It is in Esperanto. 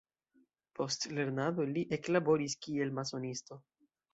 Post lernado li eklaboris kiel masonisto.